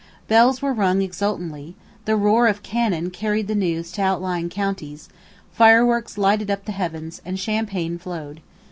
Bells were rung exultantly, the roar of cannon carried the news to outlying counties, fireworks lighted up the heavens, and champagne flowed.